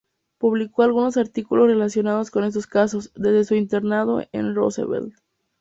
Publicó algunos artículos relacionados con estos casos, desde su internado en Roosevelt.